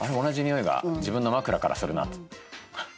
同じ匂いが自分の枕からするなって。